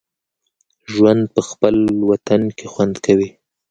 ژوند په خپل وطن کې خوند کوي